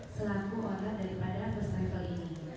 sebagai orang daripada first travel ini